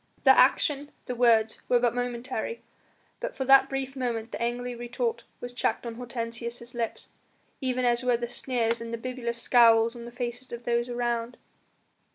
The action, the words, were but momentary, but for that brief moment the angry retort was checked on Hortensius' lips, even as were the sneers and the bibulous scowls on the faces of those around.